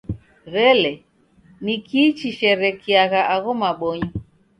W'elee, nikii chishekeriagha agho mabonyo?